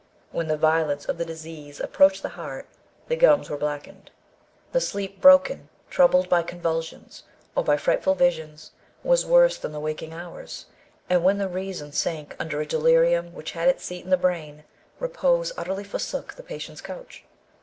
When the violence of the disease approached the heart, the gums were blackened. The sleep, broken, troubled by convulsions, or by frightful visions, was worse than the waking hours; and when the reason sank under a delirium which had its seat in the brain, repose utterly forsook the patient's couch.